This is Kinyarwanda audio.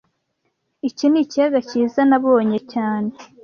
Iki ni ikiyaga cyiza cyane nabonye cyane